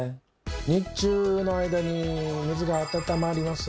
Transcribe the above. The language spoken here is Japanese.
日中の間に水が温まりますよね。